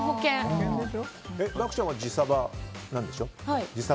漠ちゃんは自サバなんでしょ？